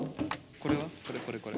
これこれこれ。